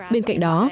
bên cạnh đó